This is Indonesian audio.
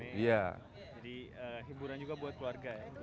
hiburan juga buat keluarga ya